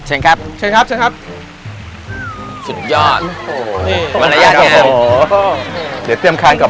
เชิญครับ